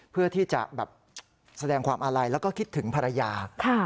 เพื่อที่จะแบบแสดงความอาลัยแล้วก็คิดถึงภรรยา